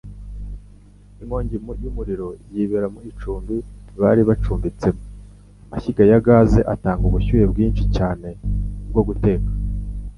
Inkongi y'umuriro yibera mu icumbi bari bacumbitsemo. Amashyiga ya gaz atanga ubushyuhe bwinshi cyane bwo guteka.